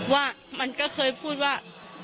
ว่ามันก็เคยพูดว่า